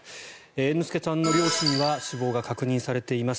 猿之助さんの両親は死亡が確認されています。